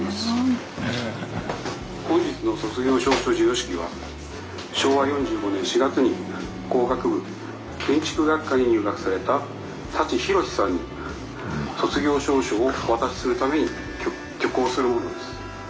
本日の卒業証書授与式は昭和４５年４月に工学部建築学科に入学された舘ひろしさんに卒業証書をお渡しするために挙行するものです。